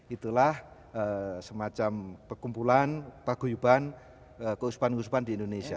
itulah semacam pekumpulan paguyuban keusupan keusuhan di indonesia